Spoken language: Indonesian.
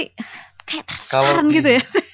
kayak tasar sekarang gitu ya